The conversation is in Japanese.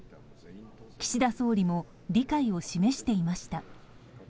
岸田総理も理解を示していました。